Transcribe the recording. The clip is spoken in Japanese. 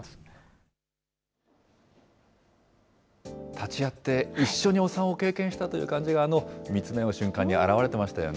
立ち会って、一緒にお産を経験したという感じが、見つめ合う瞬間に表れていましたよね。